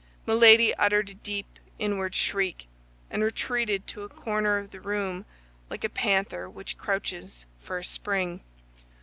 Milady uttered a deep, inward shriek, and retreated to a corner of the room like a panther which crouches for a spring.